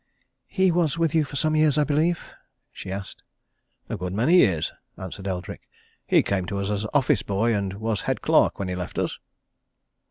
"He was with you for some years, I believe?" she asked. "A good many years," answered Eldrick. "He came to us as office boy, and was head clerk when he left us."